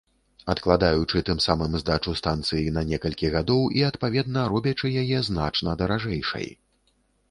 Адкладаючы тым самым здачу станцыі на некалькі гадоў і, адпаведна, робячы яе значна даражэйшай.